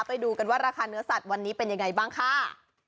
ไปดูกันว่าราคาเนื้อสัตว์วันนี้เป็นยังไงบ้างค่ะ